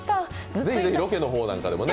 ぜひぜひロケの方なんかでもね。